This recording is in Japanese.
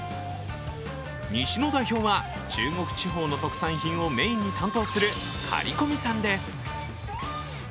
西の代表は中国地方の特産品をメインに担当する苅込さんです。